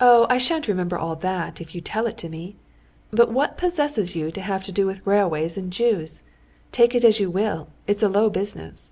"Oh, I shan't remember all that, if you tell it to me.... But what possesses you to have to do with railways and Jews?... Take it as you will, it's a low business."